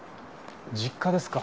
実家ですか。